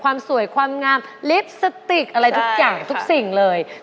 ความสวยความงามลิปสติกอะไรทุกอย่างทุกสิ่งเลย